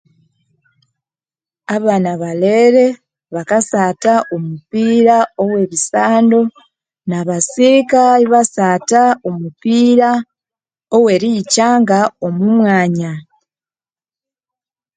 Abana balhere bakasatha omupira owebisandu na basika ibasatha omupira oweriyikyanga omumwanya